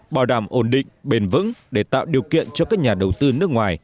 bảo đảm ổn định bền vững để tạo điều kiện cho các nhà đầu tư nước ngoài